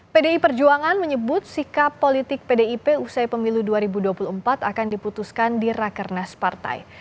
pdi perjuangan menyebut sikap politik pdip usai pemilu dua ribu dua puluh empat akan diputuskan di rakernas partai